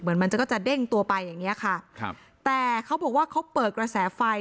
มันจะก็จะเด้งตัวไปอย่างเงี้ยค่ะครับแต่เขาบอกว่าเขาเปิดกระแสไฟ